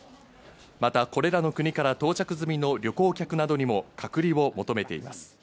また、これらの国から到着済みの旅行客などにも隔離を求めています。